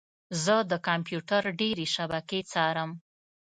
زه د کمپیوټر ډیرې شبکې څارم.